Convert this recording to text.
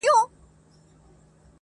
چي هغه زه له خياله وباسمه~